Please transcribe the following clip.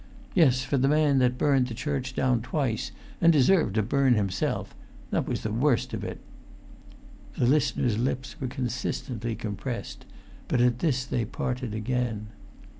"Yes, for the man that burnt the church down twice, and deserved to burn himself; that was the worst of it." The listener's lips were consistently compressed, but at this they parted again.